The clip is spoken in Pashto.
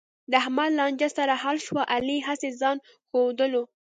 د احمد لانجه سره حل شوه، علي هسې ځآن ښودلو.